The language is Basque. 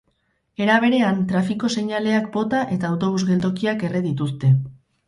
Era berean, trafiko seinaleak bota eta autobus-geltokiak erre dituzte.